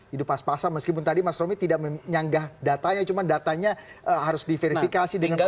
hidup pas pasan meskipun tadi mas romi tidak menyanggah datanya cuma datanya harus diverifikasi dengan baik